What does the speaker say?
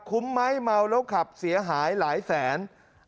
คุ้มไหมเมาแล้วขับเสียหายหลายแสน